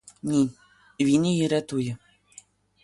Ні, він її рятує.